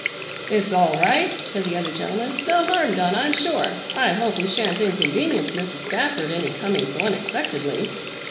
"It's all right," said the other gentleman, "no harm done, I'm sure. I hope we shan't inconvenience Mrs. Spafford any coming so unexpectedly."